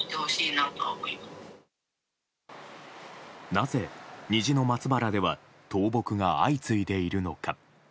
なぜ、虹の松原では倒木が相次いでいるのか。